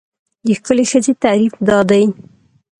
د ښکلې ښځې تعریف دا دی.